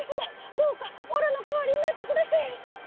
どうかおらのかわりになってくだせい」。